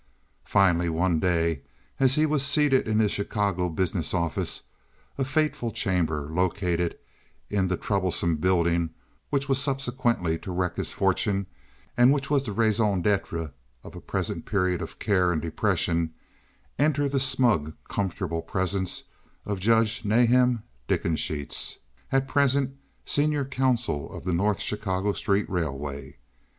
Finally, one day, as he was seated in his Chicago business office—a fateful chamber located in the troublesome building which was subsequently to wreck his fortune and which was the raison d'etre of a present period of care and depression—enter the smug, comfortable presence of Judge Nahum Dickensheets, at present senior counsel of the North Chicago Street Railway.